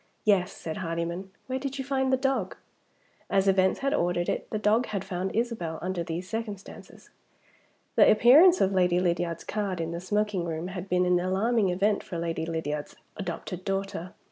"Yes," said Hardyman. "Where did you find the dog?" As events had ordered it, the dog had found Isabel, under these circumstances. The appearance of Lady Lydiard's card in the smoking room had been an alarming event for Lady Lydiard's adopted daughter.